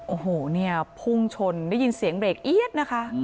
โอ้โหพุ่งชนได้ยินเสียงเหลกอี๊ดนะคะ